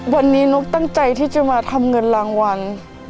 วันนี้นุ๊กตั้งใจที่จะมาทำเงินรางวัล